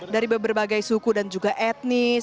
dari berbagai suku dan juga etnis